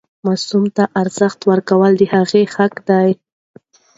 ماسوم ته ارزښت ورکول د هغه حق دی.